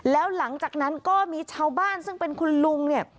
แล้วหลังจากนั้นก็มีชาวบ้านซึ่งเป็นคุณลุงเนี่ย